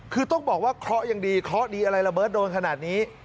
คือต้องบอกว่าเคราะห์ยังดีเคราะห์ดีอะไรระเบิดโดนขนาดนี้